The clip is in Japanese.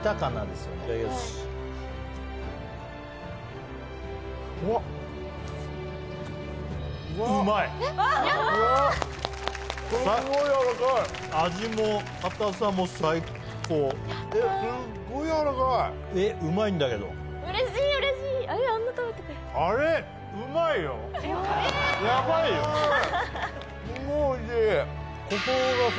すごいおいしい。